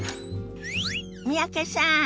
三宅さん